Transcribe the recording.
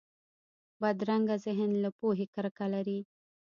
بدرنګه ذهن له پوهې کرکه لري